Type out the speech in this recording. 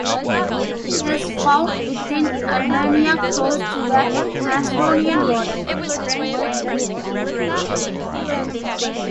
It is found within Albania, close to the Macedonian border.